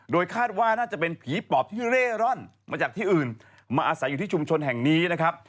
คาดว่าน่าจะเป็นผีปอบที่เร่ร่อนมาจากที่อื่นมาอาศัยอยู่ที่ชุมชนแห่งนี้นะครับ